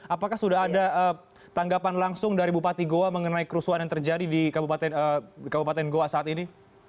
apakah sudah ada tanggapan langsung dari bupati goa mengenai kerusuhan yang terjadi di kabupaten goa saat ini